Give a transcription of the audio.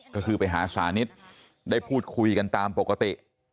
ก็คือไปหาสานิทได้พูดคุยกันตามปกติ